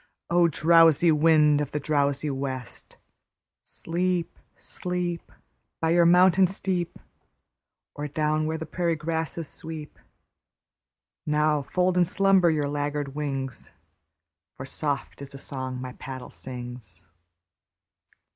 O! drowsy wind of the drowsy west, Sleep, sleep, By your mountain steep, Or down where the prairie grasses sweep! Now fold in slumber your laggard wings, For soft is the song my paddle sings.